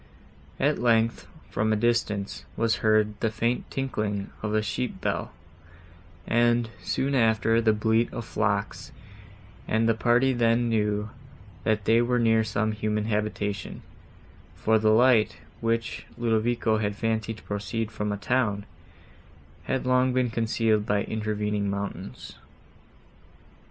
At length, from a distance, was heard the faint tinkling of a sheep bell; and, soon after, the bleat of flocks, and the party then knew, that they were near some human habitation, for the light, which Ludovico had fancied to proceed from a town, had long been concealed by intervening mountains.